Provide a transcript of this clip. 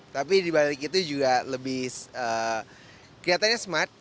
tapi dibalik itu juga lebih kelihatannya smart